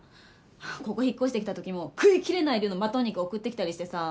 ここ引っ越してきた時も食いきれない量のマトン肉送ってきたりしてさ。